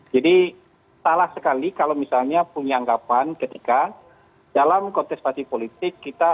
jadi salah sekali kalau misalnya punya anggapan ketika dalam konteks pasif politik kita